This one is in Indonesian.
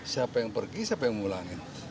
siapa yang pergi siapa yang mengulangi